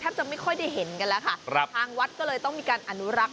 จะไม่ค่อยได้เห็นกันแล้วค่ะครับทางวัดก็เลยต้องมีการอนุรักษ์